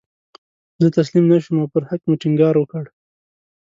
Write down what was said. زه تسلیم نه شوم او پر حق مې ټینګار وکړ.